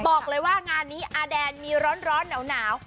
บอกเลยว่างานนี้อาแดนมีร้อนหนาว